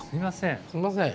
すみません。